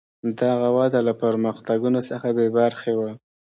دغه وده له پرمختګونو څخه بې برخې وه.